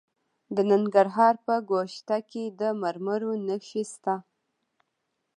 د ننګرهار په ګوشته کې د مرمرو نښې شته.